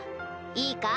いいか？